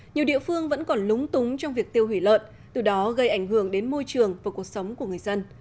nhiều địa phương vẫn còn lúng túng trong việc tiêu hủy lợn từ đó gây ảnh hưởng đến môi trường và cuộc sống của người dân